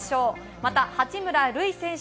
また、八村塁選手